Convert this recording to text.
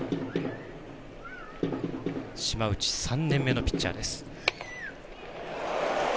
島内３年目のピッチャーです。